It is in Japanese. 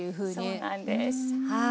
そうなんですはい。